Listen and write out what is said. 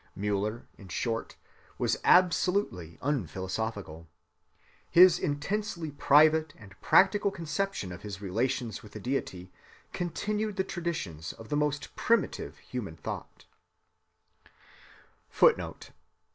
Müller, in short, was absolutely unphilosophical. His intensely private and practical conception of his relations with the Deity continued the traditions of the most primitive human thought.